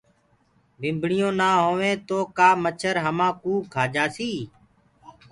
ڀمڀڻيونٚ نآ هوينٚ گو ڪآ مڇر همآ ڪوُ کآ جآسي۔